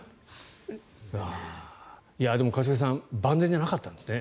一茂さん万全じゃなかったんですね。